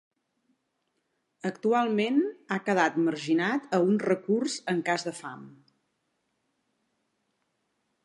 Actualment ha quedat marginat a un recurs en cas de fam.